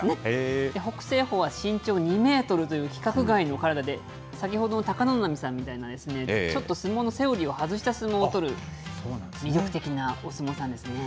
北青鵬は身長２メートルという規格外の体で、先ほどの貴ノ浪さんみたいなちょっと相撲のセオリーを外した相撲を取る、魅力的なお相撲さんですね。